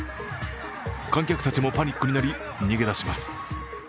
観客たちもパニックになり逃げ出します。